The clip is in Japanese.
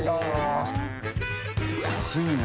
安いね。